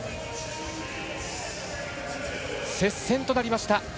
接戦となりました。